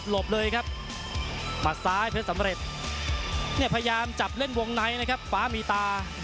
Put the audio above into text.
เล่นวงในนะครับฟ้ามีตา